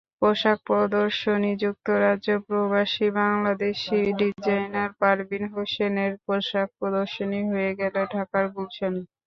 পোশাক প্রদর্শনীযুক্তরাজ্যপ্রবাসী বাংলাদেশি ডিজাইনার পারভীন হোসেনের পোশাক প্রদর্শনী হয়ে গেল ঢাকার গুলশানে।